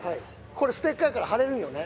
これステッカーから貼れるんよね？